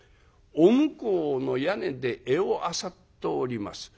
お向こうの屋根で餌をあさっております。